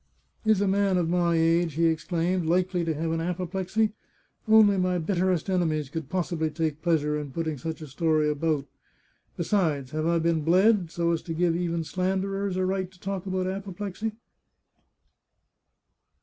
" Is a man of my age," he exclaimed, " likely to have an apoplexy? Only my bitterest enemies could possibly take pleasure in putting such a story about. Besides, have I been bled, so as to give even slanderers a right to talk about apoplexy